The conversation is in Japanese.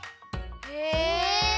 へえ。